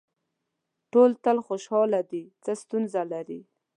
ټول تل خوشاله دي څه ستونزه لري.